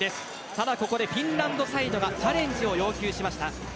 ただ、ここでフィンランドサイドがチャレンジを要求しました。